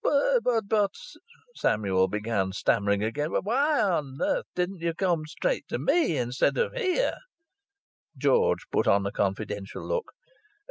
"But but," Samuel began stammering again. "Why didn't you come straight to me instead of here?" George put on a confidential look.